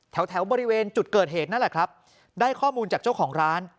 แถวแถวบริเวณจุดเกิดเหตุนั่นแหละครับได้ข้อมูลจากเจ้าของร้าน